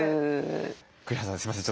栗原さんすみません。